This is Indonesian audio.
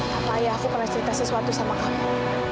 apa ayahku pernah cerita sesuatu sama kamu